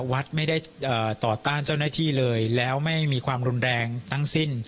วัดไม่ได้ต่อต้านเจ้าหน้าที่เลยแล้วไม่มีความรุนแรงทั้งสิ้น